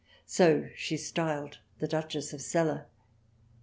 So she styled the Duchess of Celle.